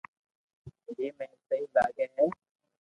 جيم اي سھي لاگي ھي